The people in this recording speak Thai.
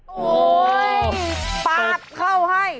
โอ้ยปากเข้าให้